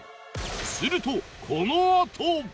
するとこのあと